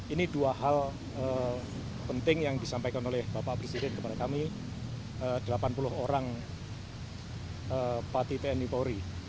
ini dua hal penting yang disampaikan oleh bapak presiden kepada kami delapan puluh orang pati tni polri